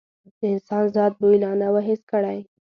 د انسان ذات بوی لا نه و حس کړی.